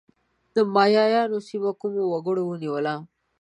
د مایایانو سیمه کومو وګړو ونیوله؟